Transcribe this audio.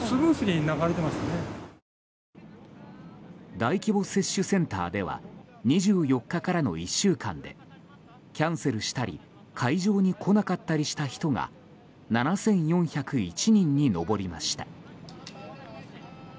大規模接種センターでは２４日からの１週間でキャンセルしたり会場に来なかったりした人が７４０１人に上りました。